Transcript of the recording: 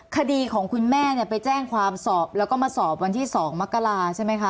คดีของคุณแม่เนี่ยไปแจ้งความสอบแล้วก็มาสอบวันที่๒มกราใช่ไหมคะ